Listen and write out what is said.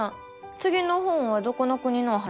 つぎの本はどこの国のお話？